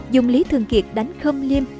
dùng lý thường kiệt đánh khâm liêm